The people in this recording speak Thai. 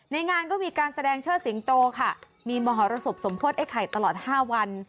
งานก็มีการแสดงเชิดสิงโตค่ะมีมหรสบสมโพธิไอ้ไข่ตลอด๕วัน